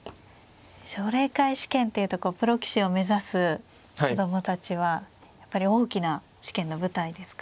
奨励会試験っていうとプロ棋士を目指す子供たちはやっぱり大きな試験の舞台ですからね。